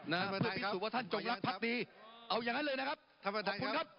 นะครับเพื่อพิสูจน์ว่าท่านจงรับภาคดีเอาอย่างนั้นเลยนะครับขอบคุณครับ